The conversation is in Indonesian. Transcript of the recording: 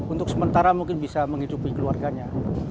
untuk sementara mungkin bisa menghidupi keluarganya